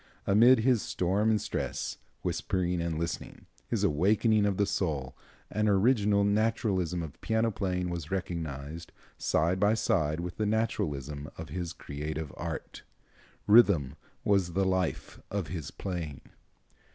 Amid his storm and stress, whispering and listening, his awakening of the soul, an original naturalism of piano playing was recognized, side by side with the naturalism of his creative art. Rhythm was the life of his playing."